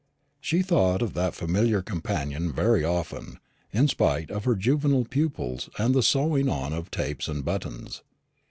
She thought of that familiar companion very often, in spite of her juvenile pupils and the sewing on of tapes and buttons.